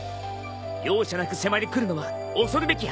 容赦なく迫り来るのは恐るべきハンター。